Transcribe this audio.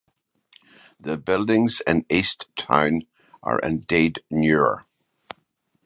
The buildings in East Town are indeed newer.